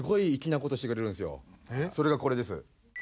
それがこれです。